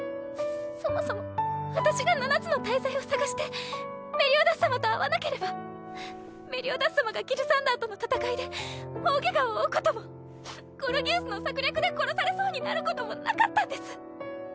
そもそも私が七つの大罪を捜してメリオダス様と会わなければメリオダス様がギルサンダーとの戦いで大ケガを負うこともゴルギウスの策略で殺されそうになることもなかったんです。